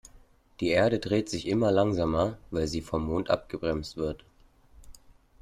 Die Erde dreht sich immer langsamer, weil sie vom Mond abgebremst wird.